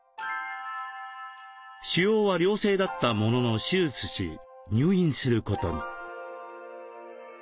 腫瘍は良性だったものの手術し入院することに。